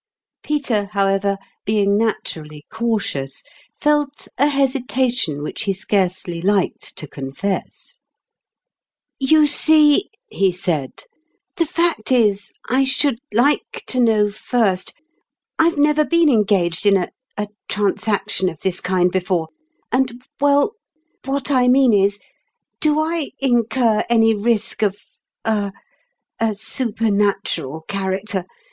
Peter, however, being naturally cautious, felt a hesitation which he scarcely liked to confess. prologue. 25 " You see," lie said, " the fact is, I should like to know first ... I've never been engaged in a a transaction of tins kind before ; and, well what 1 mean is, do I incur any risk of er a supernatural character?